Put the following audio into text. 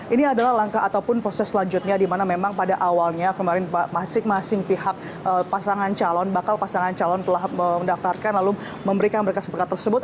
ini adalah langkah ataupun proses selanjutnya di mana memang pada awalnya kemarin masing masing pihak pasangan calon bakal pasangan calon telah mendaftarkan lalu memberikan berkas berkas tersebut